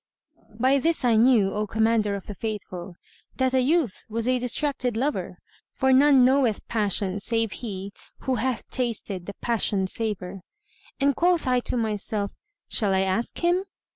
By this I knew, O Commander of the Faithful, that the youth was a distracted lover (for none knoweth passion save he who hath tasted the passion savour), and quoth I to myself, "Shall I ask him?"